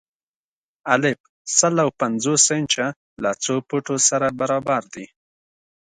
الف: سل او پنځوس انچه له څو فوټو سره برابر دي؟